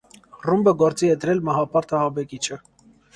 Ռումբը գործի է դրել մահապարտ ահաբեկիչը։